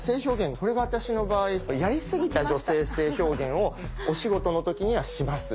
これが私の場合やりすぎた女性性表現をお仕事の時にはします。